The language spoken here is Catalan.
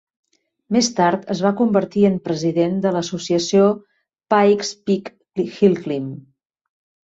Més tard es va convertir en president de l'Associació Pikes Peak Hillclimb.